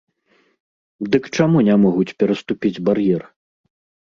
Дык чаму не могуць пераступіць бар'ер?